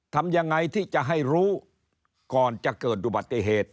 ทำยังไงที่จะให้รู้ก่อนจะเกิดอุบัติเหตุ